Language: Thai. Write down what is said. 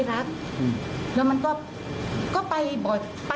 แล้วทุกคนก็ว่า